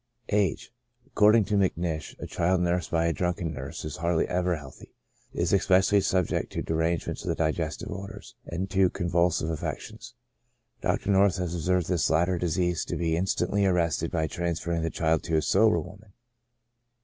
Age. — According to Macnish,a child nursed by a drunken nurse is hardly ever healthy ; it is especially subject to de rangements of the digestive organs, and to convulsive affec tions. Dr. North has observed this latter disease to be 46 CHRONIC ALCOHOLISM. instantly arrested by transferring the child to a sober wornan.